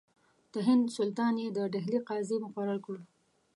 د هند سلطان یې د ډهلي قاضي مقرر کړ.